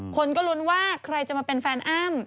คนก็ลุ้นว่าใครจะมาเป็นแฟนอ้ำ